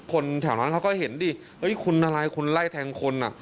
คนแถวนั้นเขาก็เห็นดิคุณอะไรคุณไล่แทงคนอ่ะ